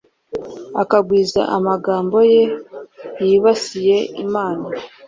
akagwiza amagambo ye yibasiye imana”